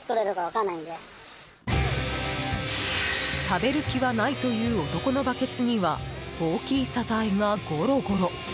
食べる気はないという男のバケツには大きいサザエがゴロゴロ。